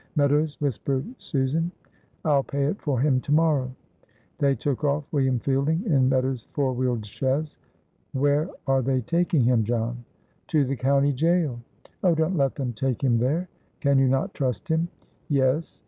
Meadows whispered Susan: "I'll pay it for him to morrow." They took off William Fielding in Meadows' four wheeled chaise. "Where are they taking him, John?" "To the county jail." "Oh, don't let them take him there. Can you not trust him?" "Yes."